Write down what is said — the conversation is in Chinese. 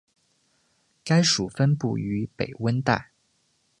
该属分布于北温带。